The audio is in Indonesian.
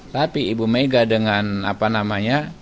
tapi ibu mega dengan apa namanya